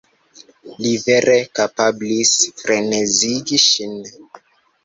Li vere kapablis frenezigi ŝin.